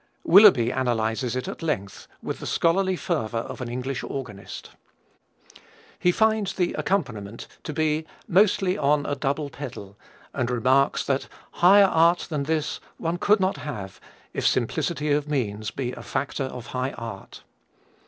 Willeby analyzes it at length with the scholarly fervor of an English organist. He finds the accompaniment to be "mostly on a double pedal," and remarks that "higher art than this one could not have if simplicity of means be a factor of high art."